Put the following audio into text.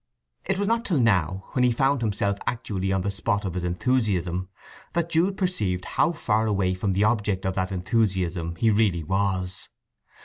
It was not till now, when he found himself actually on the spot of his enthusiasm, that Jude perceived how far away from the object of that enthusiasm he really was.